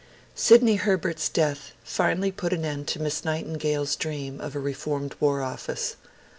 IV SIDNEY HERBERT'S death finally put an end to Miss Nightingale's dream of a reformed War Office.